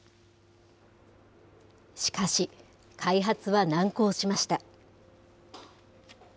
しかし、開発は難航しました。